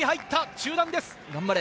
中段です。